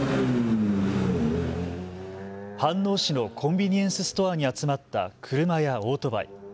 飯能市のコンビニエンスストアに集まった車やオートバイ。